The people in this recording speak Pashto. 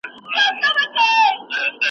ما په غزل کي وه د حق پر جنازه ژړلي `